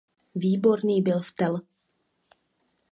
Výborný byl v tel.